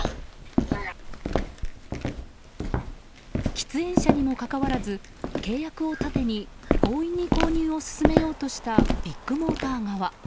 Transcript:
喫煙車にもかかわらず契約を盾に強引に購入を進めようとしたビッグモーター側。